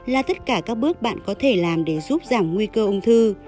là tất cả các bước bạn có thể làm để giúp giảm nguy cơ ung thư